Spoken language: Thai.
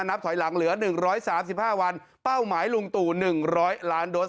นับถอยหลังเหลือ๑๓๕วันเป้าหมายลุงตู่๑๐๐ล้านโดส